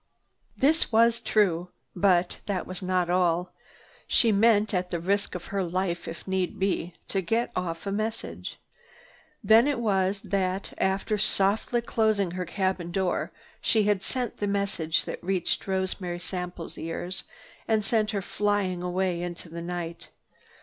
This was true. But that was not all. She meant, at the risk of her life if need be, to get off a message. Then it was that, after softly closing her cabin door she had sent the message that reached Rosemary Sample's ears and sent her flying away into the night.